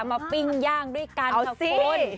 มาปิ้งย่างด้วยกันเถอะคุณ